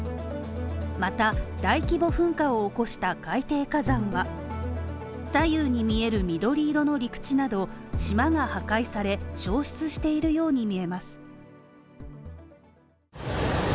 また、大規模噴火を起こした海底火山は左右に見える緑色の陸地など、島が破壊され、消失しているように見えます。